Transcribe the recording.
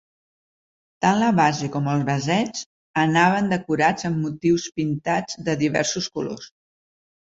Tant la base com els vasets anaven decorats amb motius pintats de diversos colors.